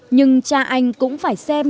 nhưng cha anh cũng phải xem